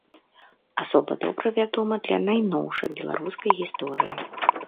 Асоба добра вядомая для найноўшай беларускай гісторыі.